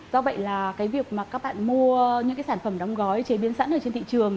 do vậy là việc các bạn mua những sản phẩm đóng gói chế biến sẵn trên thị trường